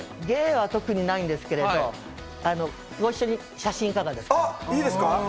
芸は特にないんですけど、ご一緒に写真いかがですか？